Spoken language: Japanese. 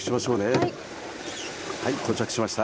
はい到着しました。